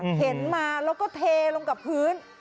นี่ค่ะเห็นมาแล้วก็เทลงลงกับพื้น